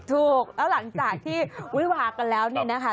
ถูกแล้วหลังจากที่วิพากันแล้วเนี่ยนะคะ